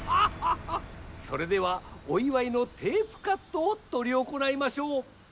それではおいわいのテープカットをとり行いましょう。